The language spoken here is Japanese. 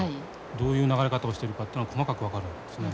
どういう流れ方をしてるかっていうのが細かく分かるんですね。